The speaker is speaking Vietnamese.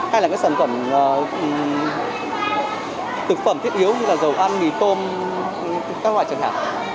hay là các sản phẩm thực phẩm thiết yếu như là dầu ăn mì tôm các loại chẳng hạn